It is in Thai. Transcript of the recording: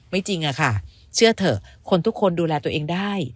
จริงอะค่ะเชื่อเถอะคนทุกคนดูแลตัวเองได้